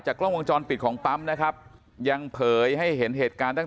กล้องวงจรปิดของปั๊มนะครับยังเผยให้เห็นเหตุการณ์ตั้ง